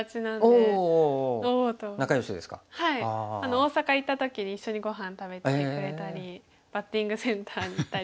大阪行った時に一緒にごはん食べてくれたりバッティングセンターに行ったり。